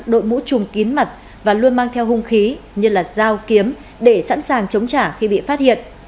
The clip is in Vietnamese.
đội mũ trùm kín mặt và luôn mang theo hung khí như là dao kiếm để sẵn sàng chống trả khi bị phát hiện